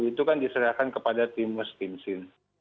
itu kan diserahkan kepada timus timsin